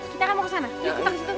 kita nggak mau ke sana yuk kita ke situ